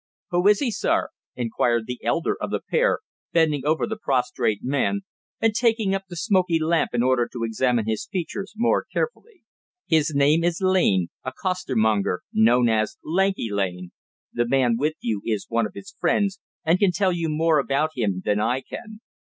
"Who is he, sir?" inquired the elder of the pair, bending over the prostrate man, and taking up the smoky lamp in order to examine his features more carefully. "His name is Lane a costermonger, known as Lanky Lane. The man with you is one of his friends, and can tell you more about him than I can."